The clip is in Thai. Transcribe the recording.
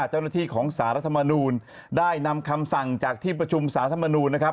เจ้าหน้าที่ของสารรัฐมนูลได้นำคำสั่งจากที่ประชุมสารธรรมนูลนะครับ